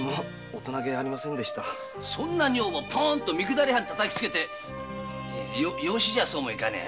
そんな女房ポンと三下り半をたたきつけて養子じゃそうもいかねえや。